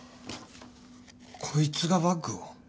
こいつがバッグを？